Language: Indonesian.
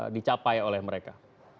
dicapai oleh mereka